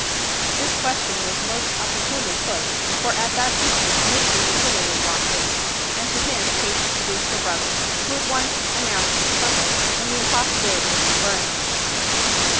This question was most opportunely put, for at that instant Mr Wititterly walked in, and to him Kate introduced her brother, who at once announced his purpose, and the impossibility of deferring it.